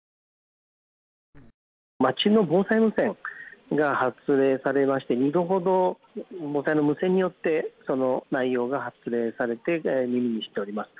町の防災無線が発令されまして２度ほど防災の無線によってその内容が発令されて耳にしております。